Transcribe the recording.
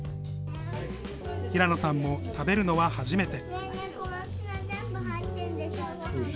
平野さんも食べるのは初めて。